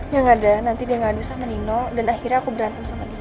yang ada nanti dia ngadu sama nino dan akhirnya aku berantem sama dia